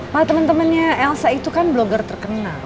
malah teman temannya elsa itu kan blogger terkenal